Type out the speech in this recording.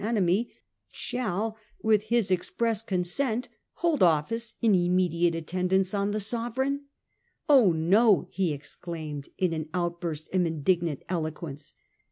enemy — shall, with his express consent, hold office in immediate attendance on the Sovereign ?'' Oh, no !' he exclaimed, in an outburst of indignant eloquence.